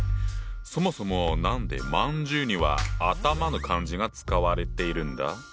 そもそも何で饅頭には「頭」の漢字が使われているんだ？